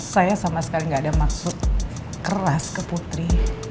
saya sama sekali nggak ada maksud keras ke putri